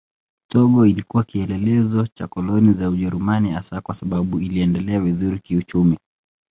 Togo ilikuwa kielelezo cha koloni za Ujerumani hasa kwa sababu iliendelea vizuri kiuchumi.